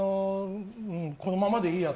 このままでいいや。